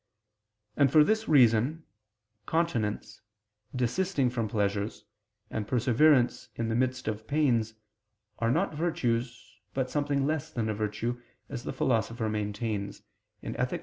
And for this reason, continency, desisting from pleasures, and perseverance in the midst of pains, are not virtues, but something less than a virtue, as the Philosopher maintains (Ethic.